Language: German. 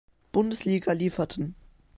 Bundesliga lieferten.